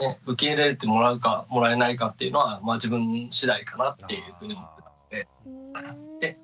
受け入れてもらうかもらえないかっていうのは自分次第かなっていうふうに思って。